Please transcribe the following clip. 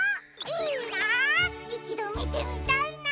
いちどみてみたいな！